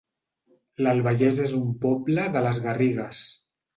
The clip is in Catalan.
L'Albagés es un poble de les Garrigues